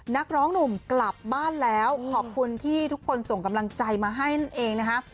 นักร้องหนุ่มกลับบ้านแล้วขอบคุณที่ทุกคนส่งกำลังใจมาให้นั่นเองนะคะ